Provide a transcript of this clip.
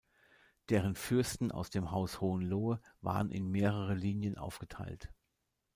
Deren Fürsten aus dem Haus Hohenlohe waren in mehrere Linien aufgeteilt.